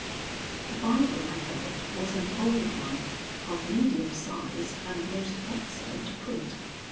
The Bible I held was an old one, of medium size and most excellent print.